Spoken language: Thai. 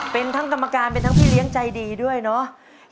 เป็นทั้งกรรมการเป็นทั้งพี่เลี้ยงใจดีด้วยเนาะ